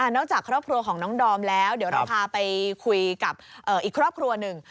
จากครอบครัวของน้องดอมแล้วเดี๋ยวเราพาไปคุยกับอีกครอบครัวหนึ่ง